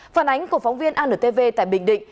phản ánh của phóng viên antv tại bình định